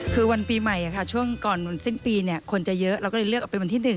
คือวันปีใหม่ช่วงก่อนสิ้นปีคนจะเยอะเราก็เลยเลือกออกเป็นวันที่๑